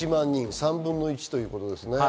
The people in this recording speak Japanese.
３分の１ということですね。